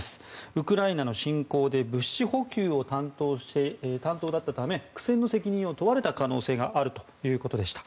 ウクライナの侵攻で物資補給担当だったため苦戦の責任を問われた可能性があるということでした。